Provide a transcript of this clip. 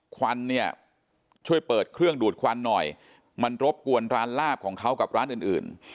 ควันเนี่ยช่วยเปิดเครื่องดูดควันหน่อยมันรบกวนร้านลาบของเขากับร้านอื่นอื่น